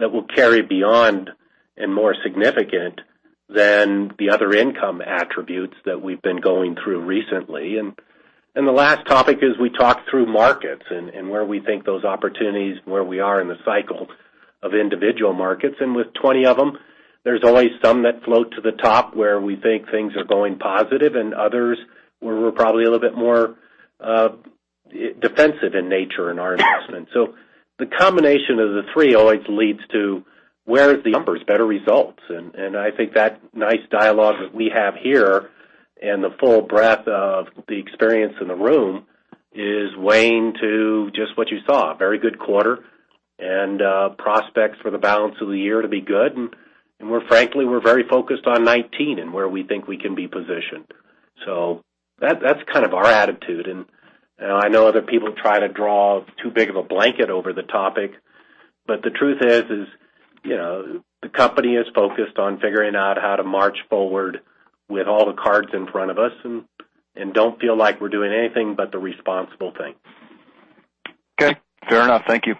will carry beyond and more significant than the other income attributes that we've been going through recently. The last topic is we talked through markets and where we think those opportunities, where we are in the cycle of individual markets. With 20 of them, there's always some that float to the top where we think things are going positive and others where we're probably a little bit more defensive in nature in our investment. The combination of the three always leads to where is the numbers, better results. I think that nice dialogue that we have here and the full breadth of the experience in the room is weighing to just what you saw. A very good quarter and prospects for the balance of the year to be good. Frankly, we're very focused on 2019 and where we think we can be positioned. That's kind of our attitude, I know other people try to draw too big of a blanket over the topic, but the truth is, the company is focused on figuring out how to march forward with all the cards in front of us, and don't feel like we're doing anything but the responsible thing. Okay. Fair enough. Thank you.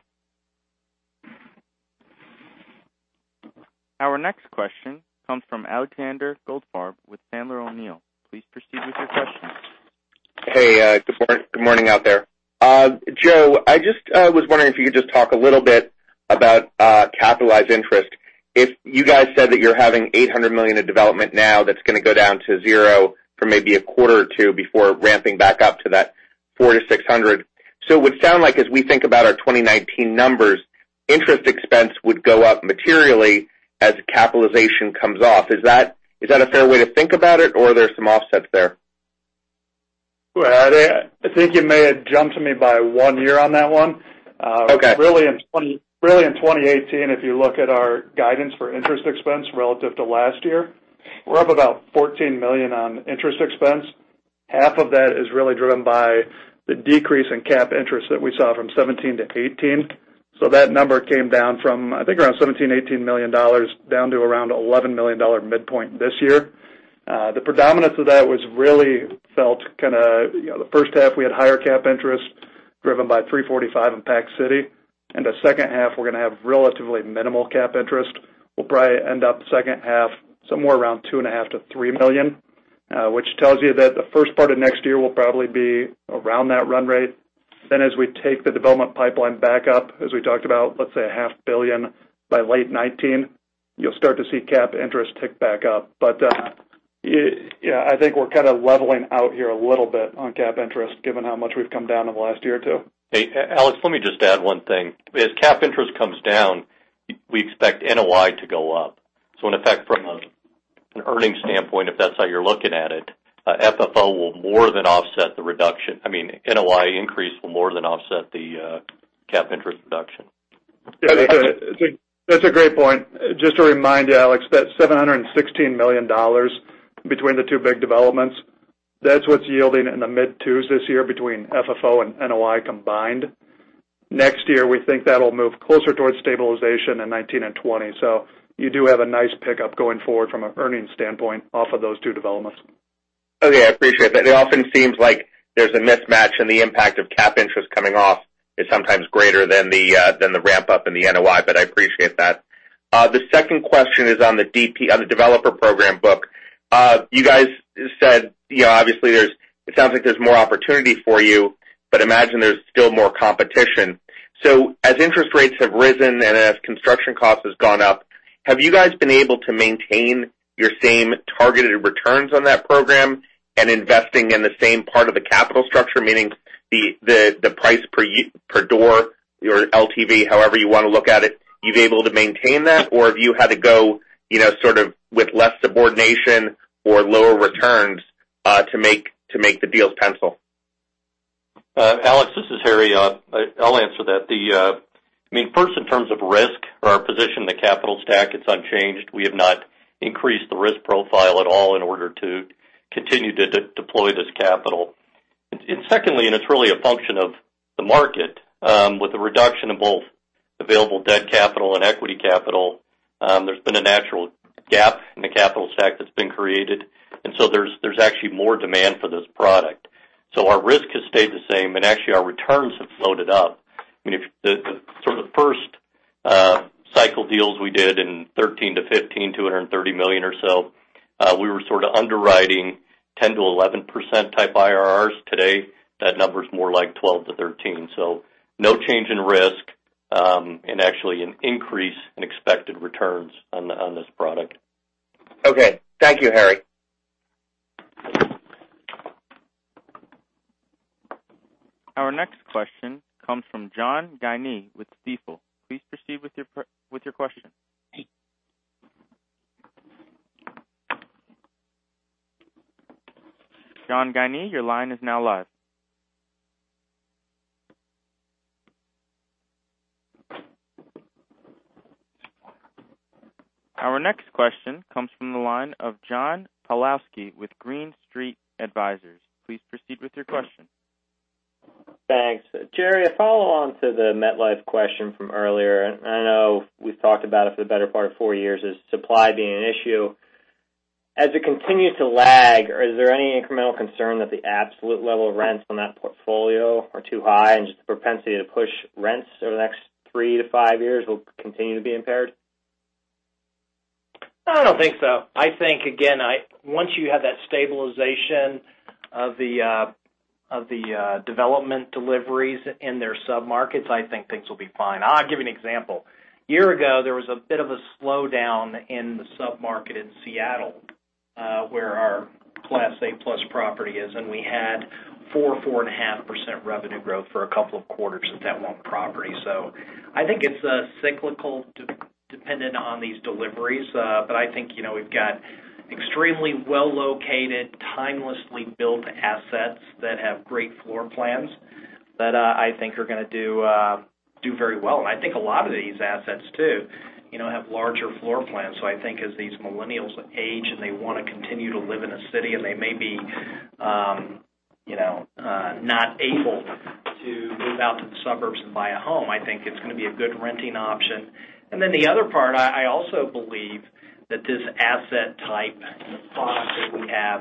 Our next question comes from Alexander Goldfarb with Sandler O'Neill. Please proceed with your question. Hey, good morning out there. Joe, I just was wondering if you could just talk a little bit about capitalized interest. If you guys said that you're having $800 million in development now, that's going to go down to zero for maybe a quarter or two before ramping back up to that $4-$600. It would sound like as we think about our 2019 numbers, interest expense would go up materially as capitalization comes off. Is that a fair way to think about it, or are there some offsets there? Well, I think you may have jumped me by one year on that one. Okay. In 2018, if you look at our guidance for interest expense relative to last year, we're up about $14 million on interest expense. Half of that is really driven by the decrease in cap interest that we saw from 2017 to 2018. That number came down from, I think around $17 million, $18 million, down to around $11 million midpoint this year. The predominance of that was really felt kind of the first half we had higher cap interest driven by 345 in Pac City. The second half, we're going to have relatively minimal cap interest. We'll probably end up second half somewhere around two and a half million to $3 million, which tells you that the first part of next year will probably be around that run rate. As we take the development pipeline back up, as we talked about, let's say a half billion dollars by late 2019, you'll start to see cap interest tick back up. Yeah, I think we're kind of leveling out here a little bit on cap interest, given how much we've come down in the last year or two. Hey, Alex, let me just add one thing. As cap interest comes down, we expect NOI to go up. In effect, from an earnings standpoint, if that's how you're looking at it, FFO will more than offset the reduction. I mean, NOI increase will more than offset the cap interest reduction. Yeah. That's a great point. Just to remind you, Alex, that $716 million between the two big developments, that's what's yielding in the mid twos this year between FFO and NOI combined. Next year, we think that'll move closer towards stabilization in 2019 and 2020. You do have a nice pickup going forward from an earnings standpoint off of those two developments. Okay. I appreciate that. It often seems like there's a mismatch in the impact of cap interest coming off is sometimes greater than the ramp-up in the NOI, but I appreciate that. The second question is on the developer program book. You guys said, obviously it sounds like there's more opportunity for you, but imagine there's still more competition. As interest rates have risen and as construction cost has gone up, have you guys been able to maintain your same targeted returns on that program and investing in the same part of the capital structure, meaning the price per door, your LTV, however you want to look at it, you've been able to maintain that? Or have you had to go sort of with less subordination or lower returns, to make the deals pencil? Alex, this is Harry. I'll answer that. First in terms of risk or our position in the capital stack, it's unchanged. We have not increased the risk profile at all in order to continue to deploy this capital. Secondly, it's really a function of the market, with the reduction in both available debt capital and equity capital, there's been a natural gap in the capital stack that's been created. There's actually more demand for this product. Our risk has stayed the same. Actually, our returns have floated up. I mean, sort of the first cycle deals we did in 2013 to 2015, $230 million or so, we were sort of underwriting 10%-11% type IRRs. Today, that number is more like 12%-13%. No change in risk. Actually an increase in expected returns on this product. Okay. Thank you, Harry. Our next question comes from John Guinee with Stifel. Please proceed with your question. John Guinee, your line is now live. Our next question comes from the line of John Pawlowski with Green Street Advisors. Please proceed with your question. Thanks. Jerry, a follow-on to the MetLife question from earlier, I know we've talked about it for the better part of four years, is supply being an issue. As it continues to lag, is there any incremental concern that the absolute level of rents on that portfolio are too high and just the propensity to push rents over the next three to five years will continue to be impaired? I don't think so. I think, again, once you have that stabilization of the development deliveries in their sub-markets, I think things will be fine. I'll give you an example. A year ago, there was a bit of a slowdown in the sub-market in Seattle, where our Class A plus property is, and we had 4%, 4.5% revenue growth for a couple of quarters at that one property. I think it's cyclical, dependent on these deliveries. I think, we've got extremely well-located, timelessly built assets that have great floor plans that I think are going to do very well. I think a lot of these assets too, have larger floor plans. I think as these millennials age and they want to continue to live in a city and they may be not able to move out to the suburbs and buy a home, I think it's going to be a good renting option. The other part, I also believe that this asset type and the thought that we have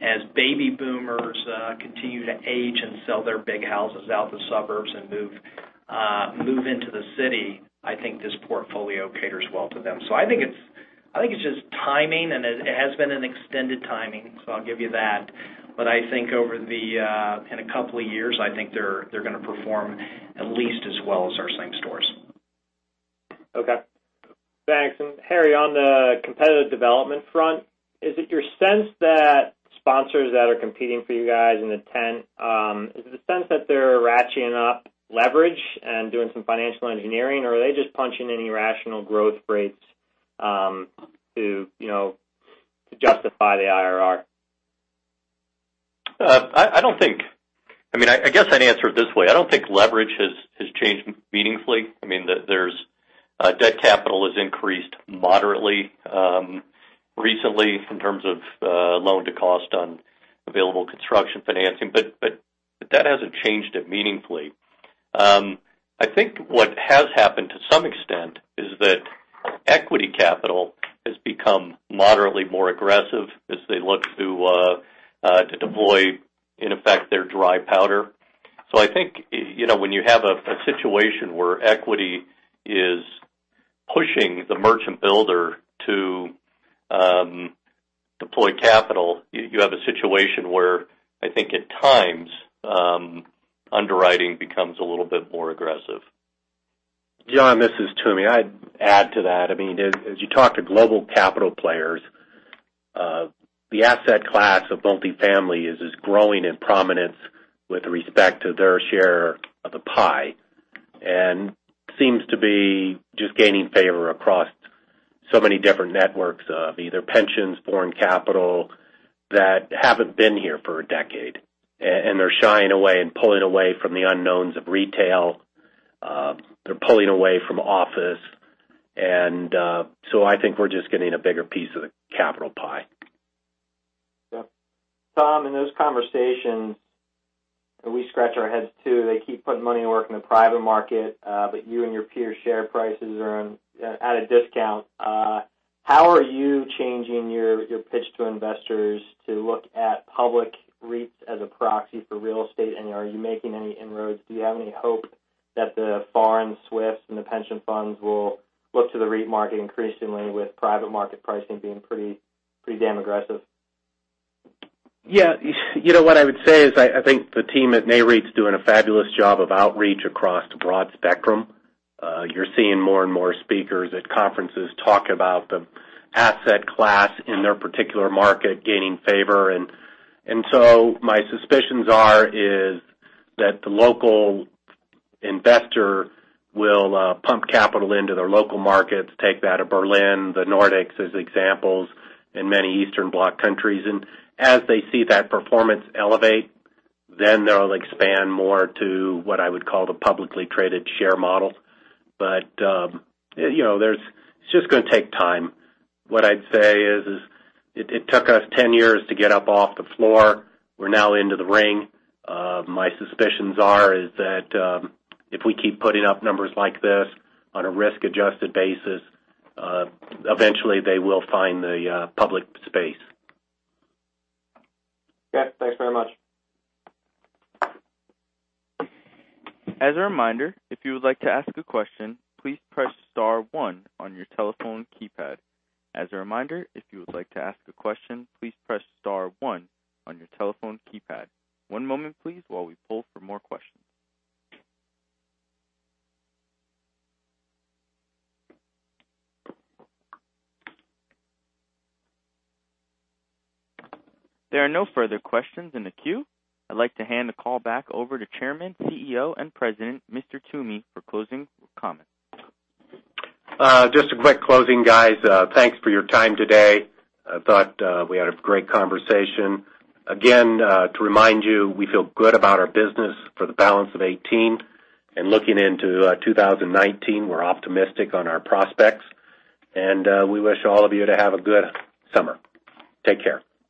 as baby boomers continue to age and sell their big houses out in the suburbs and move into the city, I think this portfolio caters well to them. I think it's just timing, and it has been an extended timing, so I'll give you that. I think in a couple of years, I think they're going to perform at least as well as our same stores. Okay. Thanks. Harry Alcock, on the competitive development front, is it your sense that sponsors that are competing for you guys in the ten, is it the sense that they're ratcheting up leverage and doing some financial engineering, or are they just punching in irrational growth rates to justify the IRR? I don't think I guess I'd answer it this way. I don't think leverage has changed meaningfully. Debt capital has increased moderately recently in terms of loan-to-cost on available construction financing. That hasn't changed it meaningfully. I think what has happened to some extent is that equity capital has become moderately more aggressive as they look to deploy, in effect, their dry powder. I think, when you have a situation where equity is pushing the merchant builder to deploy capital, you have a situation where I think at times, underwriting becomes a little bit more aggressive. John, this is Toomey. I'd add to that. As you talk to global capital players, the asset class of multifamily is as growing in prominence with respect to their share of the pie and seems to be just gaining favor across so many different networks of either pensions, foreign capital, that haven't been here for a decade. They're shying away and pulling away from the unknowns of retail. They're pulling away from office. I think we're just getting a bigger piece of the capital pie. Yeah. Tom, in those conversations, we scratch our heads, too. They keep putting money to work in the private market, you and your peer share prices are at a discount. How are you changing your pitch to investors to look at public REITs as a proxy for real estate? Are you making any inroads? Do you have any hope that the foreign SWFs and the pension funds will look to the REIT market increasingly with private market pricing being pretty damn aggressive? Yeah. What I would say is I think the team at Nareit's doing a fabulous job of outreach across the broad spectrum. You're seeing more and more speakers at conferences talk about the asset class in their particular market gaining favor. My suspicions are is that the local investor will pump capital into their local markets, take that of Berlin, the Nordics as examples, and many Eastern Bloc countries. As they see that performance elevate, then they'll expand more to what I would call the publicly traded share model. It's just going to take time. What I'd say is, it took us 10 years to get up off the floor. We're now into the ring. My suspicions are is that if we keep putting up numbers like this on a risk-adjusted basis, eventually they will find the public space. Yeah. Thanks very much. As a reminder, if you would like to ask a question, please press star one on your telephone keypad. As a reminder, if you would like to ask a question, please press star one on your telephone keypad. One moment, please, while we pull for more questions. There are no further questions in the queue. I'd like to hand the call back over to Chairman, CEO, and President, Mr. Toomey, for closing comments. Just a quick closing, guys. Thanks for your time today. I thought we had a great conversation. Again, to remind you, we feel good about our business for the balance of 2018, and looking into 2019, we're optimistic on our prospects. We wish all of you to have a good summer. Take care.